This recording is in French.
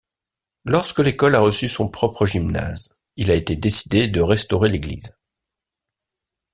Lorsque l'école a reçu son propre gymnase, il a été décidé de restaurer l'église.